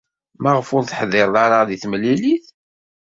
Maɣef ur teḥdiṛed ara deg temlilit?